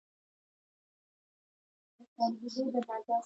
پښتو ته خدمت یوه ملي غوښتنه ده.